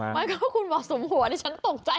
มันก็คุณบอกสุมหัวดิฉันต้องใจ